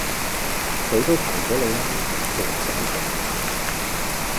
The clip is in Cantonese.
佢都提左你啦！仲唔醒水